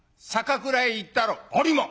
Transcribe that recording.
「ありま！